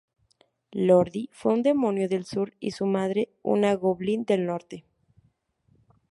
Lordi fue un demonio del Sur y su madre una goblin del Norte.